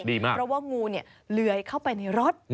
เพราะว่างูเนี่ยเลื้อยเข้าไปในรถ